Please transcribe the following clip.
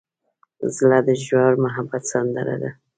زړه د ژور محبت سندره ده.